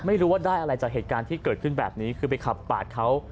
ไม่รู้ว่าได้อะไรจากเหตุการณ์ที่เกิดขึ้นแบบนี้คือไปขับปาดเขา